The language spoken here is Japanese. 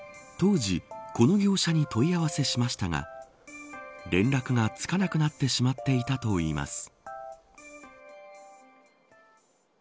当時、この業者に問い合わせしましたが連絡がつかなくなってしまっていたといいます。